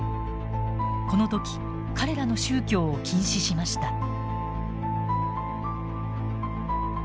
この時彼らの宗教を禁止しました。